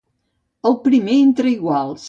El primer entre iguals.